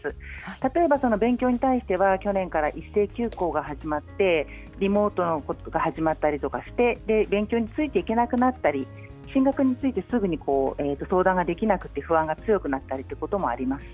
例えば、勉強に対しては去年から一斉休校が始まってリモート学習が始まったりして勉強についていけなくなったり進学についてすぐに相談ができなくて不安が強くなったりということもありますし